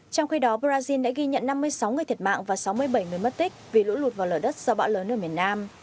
trong khi đó brazil đã ghi nhận năm mươi sáu người thiệt mạng và sáu mươi bảy người mất tích vì lũ lụt vào lở đất do bão lớn ở miền nam